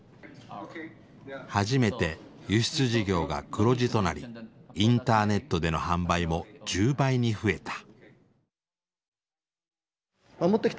初めて輸出事業が黒字となりインターネットでの販売も１０倍に増えた。